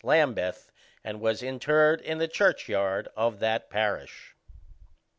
11 Lambeth, and was interred in the church yard of that parish.